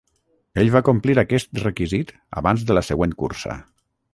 Ell va complir aquest requisit abans de la següent cursa.